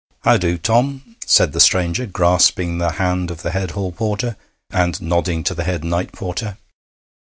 'How do, Tom?' said the stranger, grasping the hand of the head hall porter, and nodding to the head night porter.